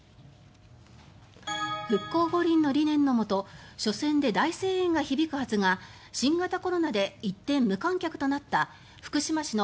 復興五輪の理念のもと初戦で大声援が響くはずが新型コロナで一転、無観客となった福島市の